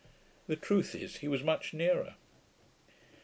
The truth is, he was much nearer.